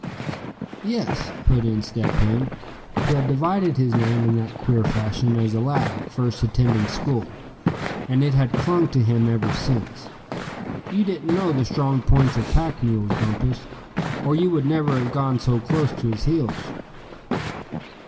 "Yes," put in Step Hen, who had divided his name in that queer fashion as a lad first attending school, and it had clung to him ever since; "you didn't know the strong points of pack mules, Bumpus, or you would never have gone so close to his heels."